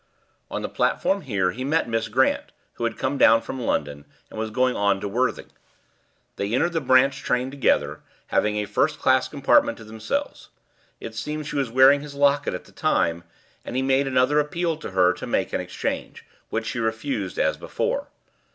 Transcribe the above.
"On the platform here he met Miss Grant, who had come down from London, and was going on to Worthing. They entered the branch train together, having a first class compartment to themselves. It seems she was wearing his locket at the time, and he made another appeal to her to make an exchange, which she refused, as before.